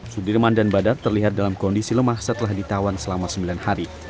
sudirman dan badar terlihat dalam kondisi lemah setelah ditawan selama sembilan hari